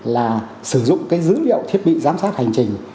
là sử dụng cái dữ liệu thiết bị giám sát hành trình